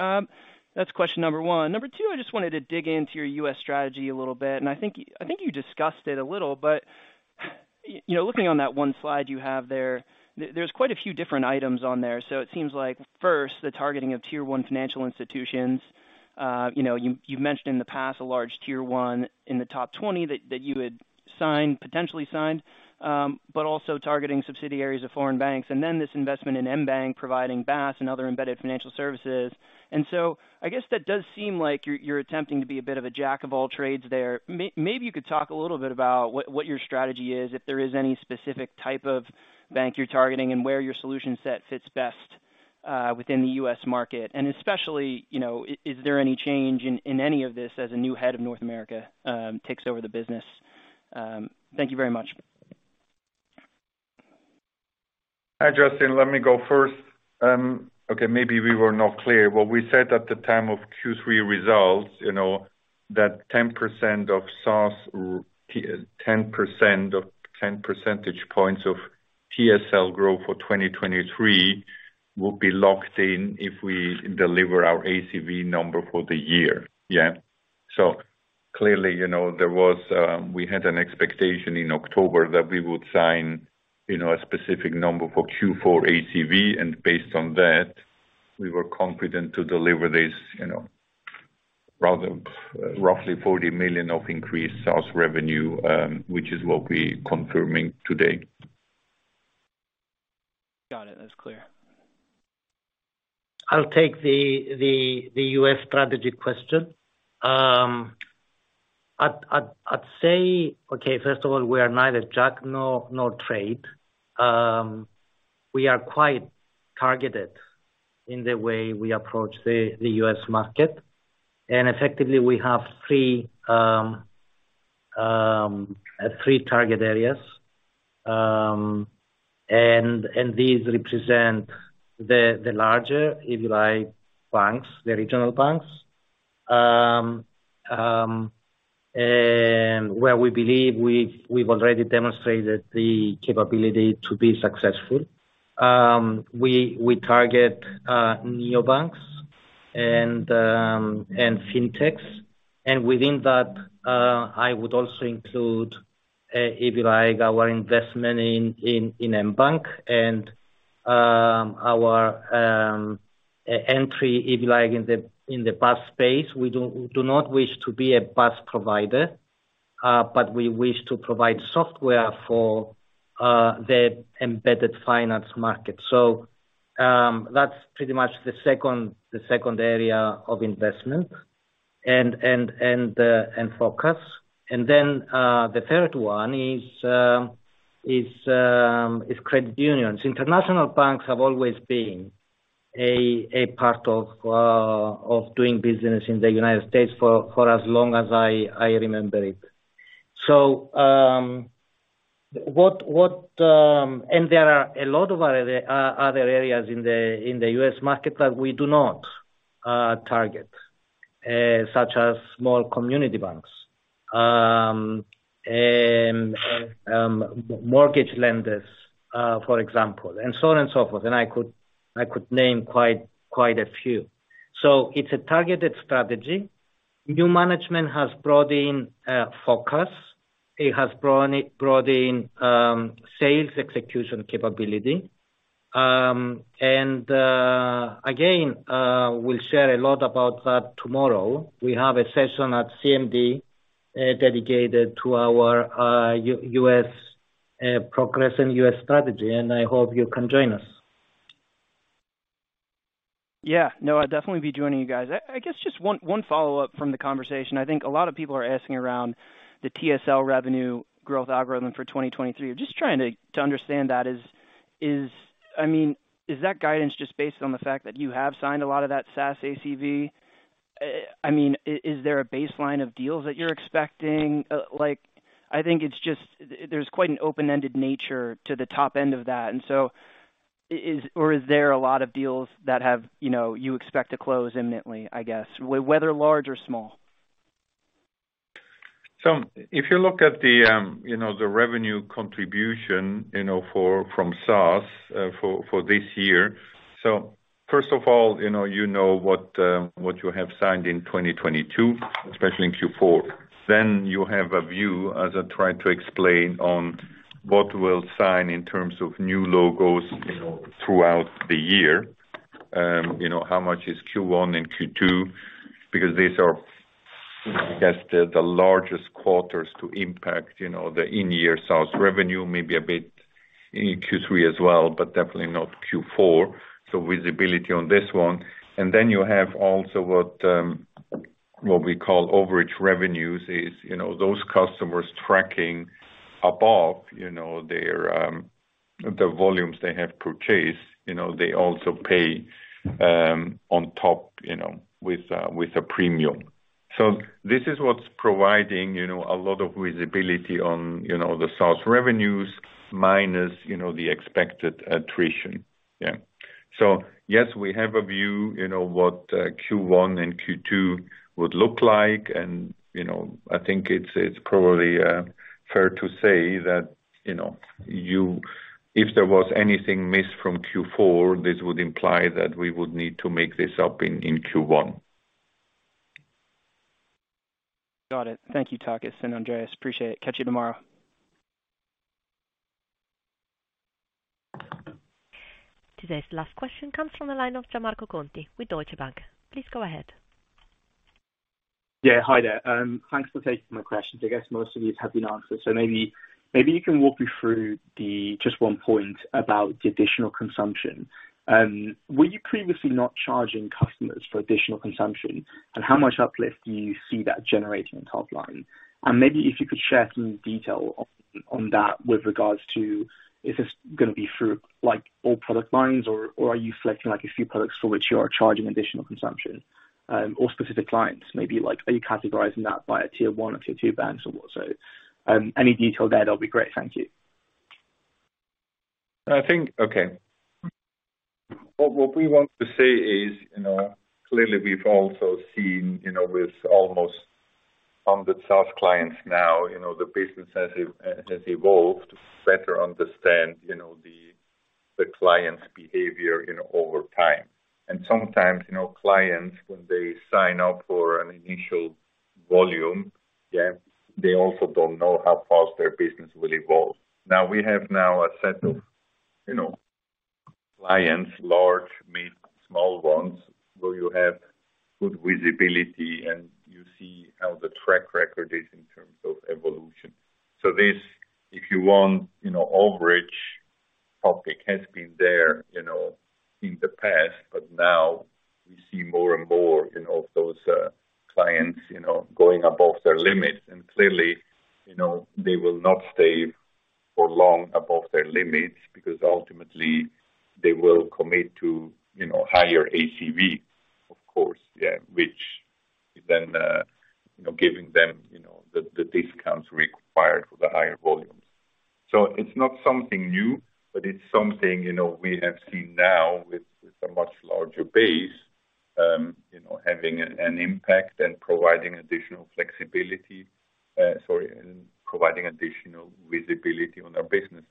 That's question number one. Number two, I just wanted to dig into your U.S. strategy a little bit, I think you, I think you discussed it a little, but, you know, looking on that one slide you have there's quite a few different items on there. It seems like first, the targeting of tier one financial institutions, you know, you mentioned in the past a large tier one in the top 20 that you had potentially signed, but also targeting subsidiaries of foreign banks, and then this investment in Mbanq providing BaaS and other embedded financial services. I guess that does seem like you're attempting to be a bit of a jack of all trades there. Maybe you could talk a little bit about what your strategy is, if there is any specific type of bank you're targeting and where your solution set fits best, within the U.S. market. Especially, you know, is there any change in any of this as a new head of North America takes over the business? Thank you very much. Hi, Justin. Let me go first. Okay, maybe we were not clear. What we said at the time of Q3 results, you know, that 10 percentage points of SaaS TSL growth for 2023 will be locked in if we deliver our ACV number for the year. Yeah. Clearly, you know, there was, we had an expectation in October that we would sign, you know, a specific number for Q4 ACV, and based on that, we were confident to deliver this, you know, rather roughly $40 million of increased SaaS revenue, which is what we're confirming today. Got it. That's clear. I'll take the US strategy question. I'd say, okay, first of all, we are neither jack nor trade. We are quite targeted in the way we approach the US market. Effectively, we have three target areas. These represent the larger, if you like, banks, the regional banks. Where we believe we've already demonstrated the capability to be successful. We target neobanks and FinTechs. Within that, I would also include, if you like, our investment in Mbanq and our e-entry, if you like, in the BaaS space. We do not wish to be a BaaS provider, we wish to provide software for the embedded finance market. That's pretty much the second area of investment and focus. The third one is credit unions. International banks have always been a part of doing business in the United States for as long as I remember it. There are a lot of other areas in the U.S. market that we do not target, such as small community banks, and mortgage lenders, for example, and so on and so forth. I could name quite a few. It's a targeted strategy. New management has brought in focus. It has brought in sales execution capability. Again, we'll share a lot about that tomorrow. We have a session at CMD dedicated to our U.S. progress and U.S. strategy. I hope you can join us. Yeah. No, I'll definitely be joining you guys. I guess just one follow-up from the conversation. I think a lot of people are asking around the TSL revenue growth algorithm for 2023. Just trying to understand that. I mean, is that guidance just based on the fact that you have signed a lot of that SaaS ACV? I mean, is there a baseline of deals that you're expecting? Like, I think it's just there's quite an open-ended nature to the top end of that. And so or is there a lot of deals that have, you know, you expect to close imminently, I guess, whether large or small? If you look at the, you know, the revenue contribution, you know, from SaaS, for this year. First of all, you know, what you have signed in 2022, especially in Q4. Then you have a view, as I tried to explain, on what we'll sign in terms of new logos, you know, throughout the year. You know, how much is Q1 and Q2? Because these are, I guess, the largest quarters to impact, you know, the in-year SaaS revenue, maybe a bit in Q3 as well, but definitely not Q4. Visibility on this one. Then you have also what we call overage revenues is, you know, those customers tracking above, you know, their, the volumes they have purchased. You know, they also pay, on top, you know, with a premium. This is what's providing, you know, a lot of visibility on, you know, the SaaS revenues minus, you know, the expected attrition. Yes, we have a view, you know, what Q1 and Q2 would look like and, you know, I think it's probably fair to say that, you know, if there was anything missed from Q4, this would imply that we would need to make this up in Q1. Got it. Thank you, Takis and Andreas. Appreciate it. Catch you tomorrow. Today's last question comes from the line of Gianmarco Conti with Deutsche Bank. Please go ahead. Hi there. Thanks for taking my questions. I guess most of these have been answered. Maybe you can walk me through just one point about the additional consumption. Were you previously not charging customers for additional consumption, and how much uplift do you see that generating in top line? Maybe if you could share some detail on that with regards to is this gonna be through, like, all product lines or are you selecting, like, a few products for which you are charging additional consumption? Or specific clients maybe like are you categorizing that by a tier one or tier two banks or whatso? Any detail there, that'll be great. Thank you. I think. Okay. What we want to say is, you know, clearly we've also seen, you know, with almost 100 SaaS clients now, you know, the business has evolved to better understand, you know, the client's behavior, you know, over time. Sometimes, you know, clients when they sign up for an initial volume, yeah, they also don't know how fast their business will evolve. We have now a set of, you know, clients, large, mid, small ones, where you have good visibility and you see how the track record is in terms of evolution. This, if you want, you know, overage topic has been there, you know, in the past, but now we see more and more, you know, of those clients, you know, going above their limits. Clearly, you know, they will not stay for long above their limits because ultimately they will commit to, you know, higher ACV, of course, yeah, which then, you know, giving them, you know, the discounts required for the higher volumes. It's not something new, but it's something, you know, we have seen now with a much larger base, you know, having an impact and providing additional flexibility. Sorry, providing additional visibility on our business.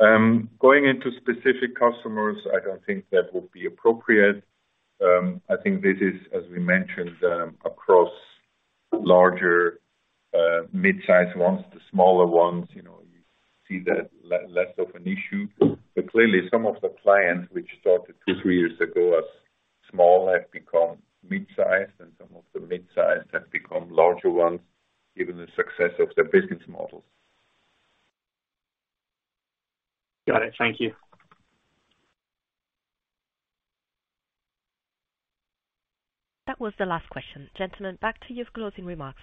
Going into specific customers, I don't think that would be appropriate. I think this is, as we mentioned, across larger, mid-size ones. The smaller ones, you know, you see that less of an issue. Clearly some of the clients which started two, three years ago as small have become mid-sized, and some of the mid-sized have become larger ones given the success of their business models. Got it. Thank you. That was the last question. Gentlemen, back to your closing remarks.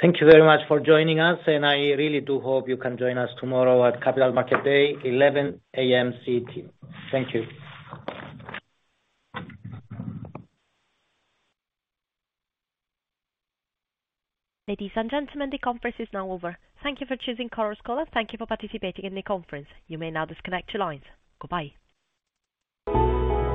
Thank you very much for joining us. I really do hope you can join us tomorrow at Capital Markets Day, 11:00 A.M. CT. Thank you. Ladies and gentlemen, the conference is now over. Thank you for choosing Chorus Call. Thank you for participating in the conference. You may now disconnect your lines. Goodbye.